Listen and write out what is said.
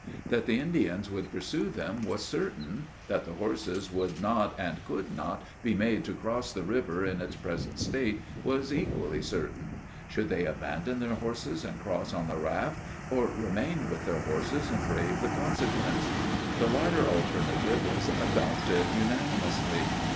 That the Indians would pursue them was certain. That the horses would not and could not be made to cross the river in its present state, was equally certain. Should they abandon their horses and cross on the raft, or remain with their horses and brave the consequence? The latter alternative was adopted unanimously.